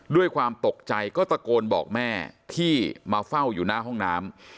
ด้วยความตกใจก็ตะโกนบอกแม่ที่มาเฝ้าอยู่หน้าห้องน้ำ